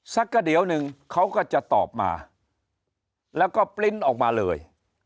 สักกระเดี๋ยวหนึ่งเขาก็จะตอบมาแล้วก็ปริ้นต์ออกมาเลย